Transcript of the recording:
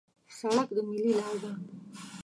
سړک د میلې لار ده.